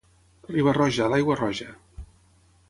Riba-roja, l'aigua roja.